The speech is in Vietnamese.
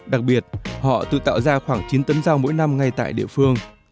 đặc biệt họ tự tạo ra khoảng chín tấn rau mỗi năm ngay tại địa phương